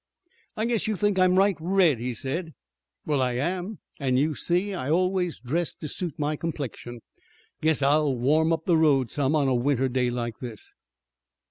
"I guess you think I'm right red," he said. "Well, I am, an' as you see I always dress to suit my complexion. Guess I'll warm up the road some on a winter day like this."